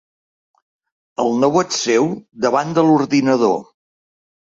El nebot seu davant de l'ordinador.